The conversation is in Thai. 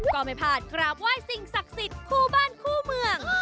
ก็ไม่พลาดกราบไหว้สิ่งศักดิ์สิทธิ์คู่บ้านคู่เมือง